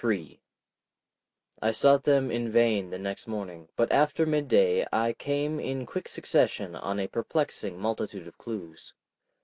§ 3 I sought them in vain the next morning, but after midday I came in quick succession on a perplexing multitude of clues.